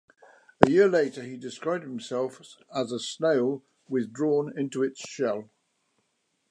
A year later, he described himself as "a snail withdrawn into its shell".